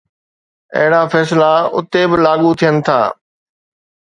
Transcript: اهڙا فيصلا اتي به لاڳو ٿين ٿا